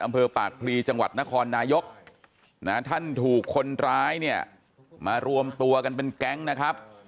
อำเภอปากพลีจังหวัดนครนายกท่านถูกคนร้ายเนี่ยมารวมตัวกันเป็นแก๊งนะครับ